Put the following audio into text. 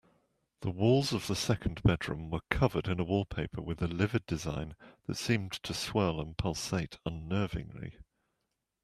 The walls of the second bedroom were covered in a wallpaper with a livid design that seemed to swirl and pulsate unnervingly.